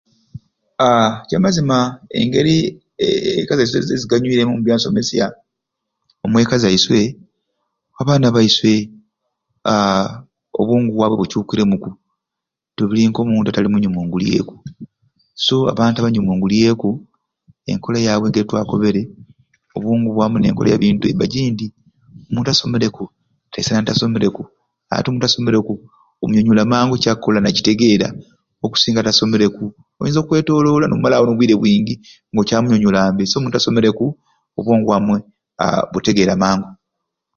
Aaa kyamazima engeri ee eka zaiswe neziganywiire omu byansomesya omweka zaiswe, abaana baiswe aaa obwongu bwabwe bukyukiremu ku tebuli k'omuntu atali munyumungulyeku so abantu abanyumungulyeku enkola yaabwe ka nitwakobere obwongu bwamwe nenkola yabintu eba jindi omuntu asomereku taisana atasomereku ate omuntu asomereku omunyonyola mangu ekyakkola nakitegeera okusinga atasomereku oinza okwetoloola n'omala obwiire nga bwingi nga okyamunyonyola mbe songa omuntu asomereku obwongu bwamwe aa butegeera mangu